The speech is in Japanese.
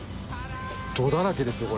「ド」だらけですね